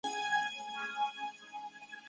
韦尔特里厄。